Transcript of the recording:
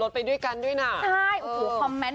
ขับรถไปด้วยกันด้วยน่ะ